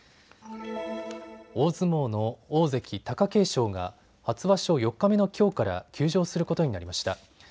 大相撲の大関・貴景勝が初場所４日目のきょうから休場することになりました。